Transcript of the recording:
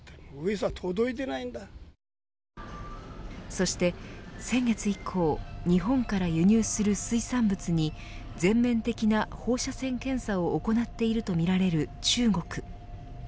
そして先月以降日本から輸入する水産物に全面的な放射線検査を行っているとみられる中国。